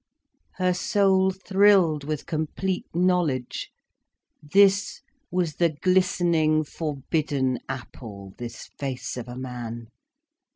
Her soul thrilled with complete knowledge. This was the glistening, forbidden apple, this face of a man.